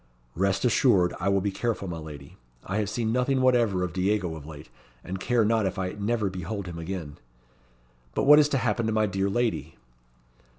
"Rest assured I will be careful, my lady. I have seen nothing whatever of Diego of late, and care not if I never behold him again. But what is to happen to my dear lady?"